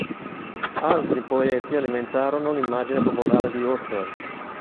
Altri poeti alimentarono l'immagine popolare di Hofer.